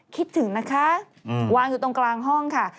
คิดถึงนะคะวางอยู่ตรงกลางห้องค่ะ